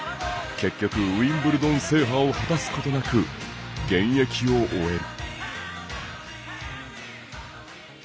結局、ウィンブルドン制覇を果たすことなく現役を終える。